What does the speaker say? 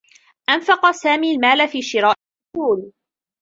أنفق سامي المال في شراء الكحول.